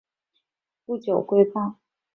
不久罢归。